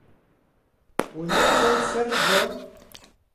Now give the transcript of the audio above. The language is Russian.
У ней был сэр Джон.